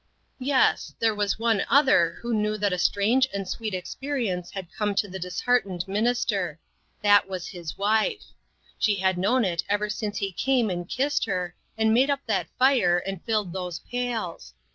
Yes, there was one other who knew that a strange and sweet experience had come to the disheartened minister. That was his wife. She had known it ever since he came and kissed her, and made up that fire, and filled those pails.